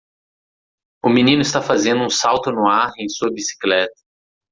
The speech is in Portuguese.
O menino está fazendo um salto no ar em sua bicicleta.